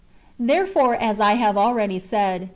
Therefore, as I have already said.